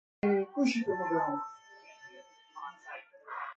چندین ساختمان در اثر آتشسوزی نابود شد.